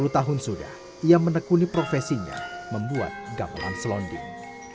sepuluh tahun sudah ia menekuni profesinya membuat gamelan selonding